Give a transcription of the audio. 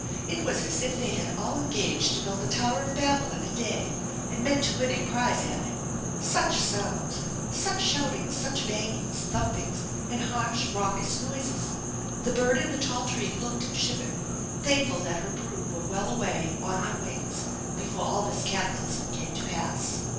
It was as if they had all engaged to build the tower of Babel in a day, and meant to win a prize at it. Such sounds ! Such shoutings, such hangings, thump ings, and harsh, raucous noises ! The bird in the tall tree looked and shivered, thankful that her brood were well away on their wings before all this cataclysm came to pass.